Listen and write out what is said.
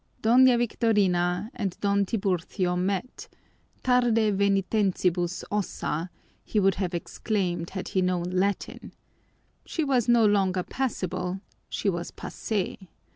Doña Victorina and Don Tiburcio met: tarde venientibus ossa, he would have exclaimed had he known Latin! She was no longer passable, she was passée.